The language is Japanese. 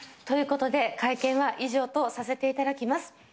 ということで会見は以上とさせていただきます。